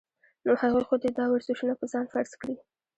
نو هغوي خو دې دا ورزشونه پۀ ځان فرض کړي -